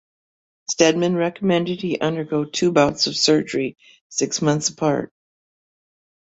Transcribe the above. Steadman recommended he undergo two bouts of surgery six months apart.